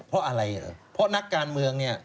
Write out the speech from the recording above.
เพราะอะไรเหรอเพราะนักการเมืองเนี่ย